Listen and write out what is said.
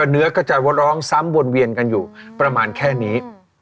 เนื้อก็จะร้องซ้ำวนเวียนกันอยู่ประมาณแค่นี้